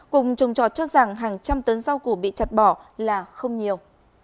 cùng trồng trọt cho rằng hàng trăm tấn rau củ bị chặt bỏ là không nhiều